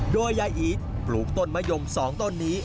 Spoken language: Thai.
โดยยายอีทปลูกต้นมะยม๒ต้นนี้